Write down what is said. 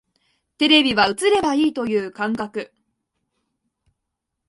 テレビは映ればいいという感覚